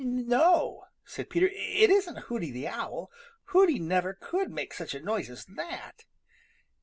"No," said Peter, "it isn't Hooty the Owl. Hooty never could make such a noise as that."